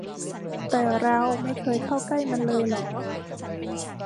แต่เราไม่เคยเข้าใกล้มันเลยเหรอ ?